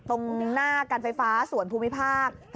ลงล่างรถไฟมาครับลงล่างรถไฟมาครับ